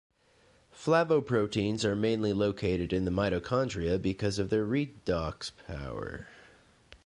Flavoproteins are mainly located in the mitochondria because of their redox power.